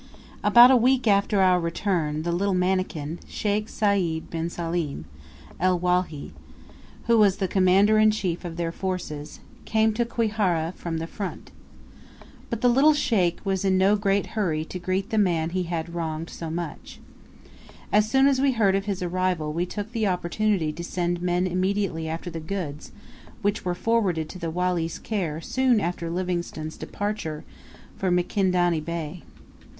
About a week after our return, "the little mannikin," Sheikh Sayd bin Salim El Wali who was the commander in chief of their forces, came to Kwihara from the front. But the little Sheikh was in no great hurry to greet the man he had wronged so much. As soon as we heard of his arrival we took the opportunity to send men immediately after the goods which were forwarded to the Wali's care soon after Livingstone's departure for Mikindany Bay.